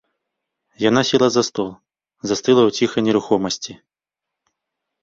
Яна села за стол, застыгла ў ціхай нерухомасці.